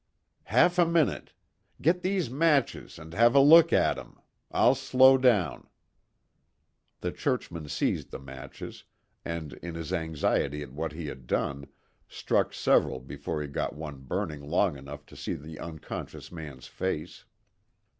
"Half a minute. Get these matches, and have a look at him. I'll slow down." The churchman seized the matches, and, in his anxiety at what he had done, struck several before he got one burning long enough to see the unconscious man's face.